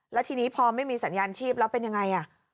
แล้วทีนี้พอไม่มีสัญญาณชีพแล้วเป็นยังไง